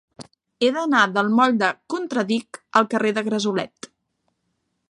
He d'anar del moll del Contradic al carrer de Gresolet.